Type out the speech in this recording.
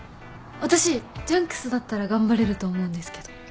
私『ジャンクス』だったら頑張れると思うんですけど。